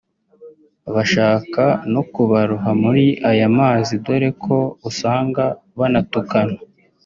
bashaka no kubaroha muri aya mazi dore ko usanga banatukana